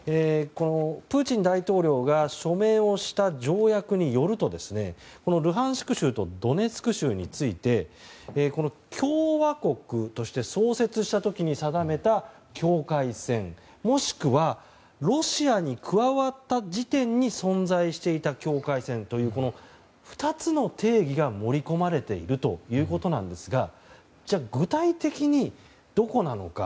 プーチン大統領が署名をした条約によるとこのルハンシク州とドネツク州について共和国として創設した時に定めた境界線もしくはロシアに加わった時点に存在していた境界線という２つの定義が盛り込まれているということなんですがじゃあ、具体的にどこなのか。